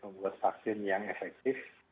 membuat vaksin yang efektif